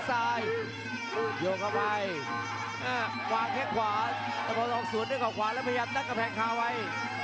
ต่อไปวางแค่ขวาตะพาวทองศูนย์ด้วยก่อขวาแล้วพยายามนักกระแพงคาวัย